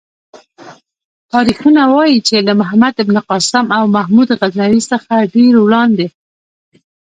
تاریخونه وايي چې له محمد بن قاسم او محمود غزنوي څخه ډېر وړاندې.